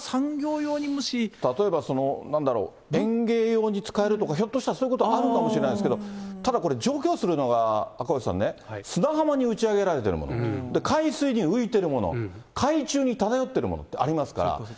例えばなんだろう、園芸用に使えるとか、ひょっとしたらそういうこともあるかもしれないですけれども、ただこれ、除去するのが赤星さんね、砂浜に打ち上げられてるもの、海水に浮いてるもの、海中に漂ってるものってありますから。